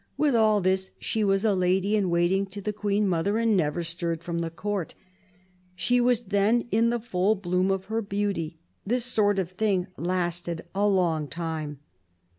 With all this she was a lady in waiting to the Queen mother and never stirred from the Court. She was then in the full bloom of her beauty. This sort of thing lasted a long time."